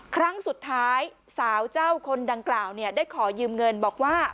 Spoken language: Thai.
ครั้งสุดท้ายสาวเจ้าคนดังกล่าวได้ขอยืมเงินบอกว่า